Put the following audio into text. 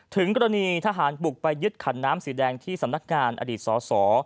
ถึงกรณีทหารบุกไปยึดขันน้ำสีแดงที่สำนักงานอดีตสส